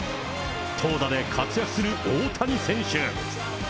投打で活躍する大谷選手。